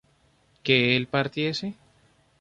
¿que él partiese?